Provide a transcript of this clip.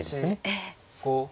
ええ。